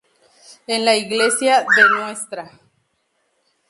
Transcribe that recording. En la iglesia de Ntra.